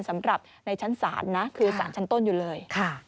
สำหรับในชั้นศาลนะคือสารชั้นต้นอยู่เลย